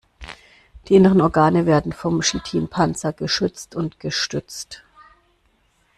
Die inneren Organe werden vom Chitinpanzer geschützt und gestützt.